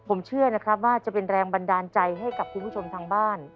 ผมเชื่อนะครับว่าจะเป็นแรงบันดาลใจให้กับคุณผู้ชมทางบ้าน